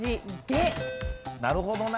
なるほどな。